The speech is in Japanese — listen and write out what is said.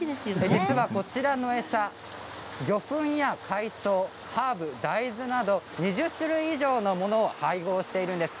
実はこちらの餌魚粉や海藻、ハーブ、大豆など２０種類以上のものを配合しています。